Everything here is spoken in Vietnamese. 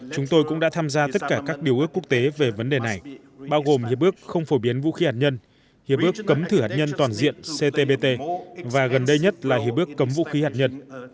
chúng tôi cũng đã tham gia tất cả các điều ước quốc tế về vấn đề này bao gồm hiệp bước không phổ biến vũ khí hắt nhân hiệp bước cấm thử hắt nhân toàn diện ctbt và gần đây nhất là hiệp bước cấm vũ khí hắt nhân